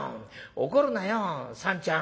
怒るなよ三ちゃん」。